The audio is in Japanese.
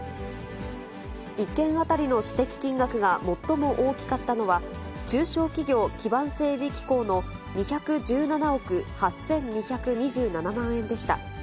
１件当たりの指摘金額が最も大きかったのは、中小企業基盤整備機構の２１７億８２２７万円でした。